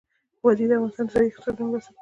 وادي د افغانستان د ځایي اقتصادونو بنسټ دی.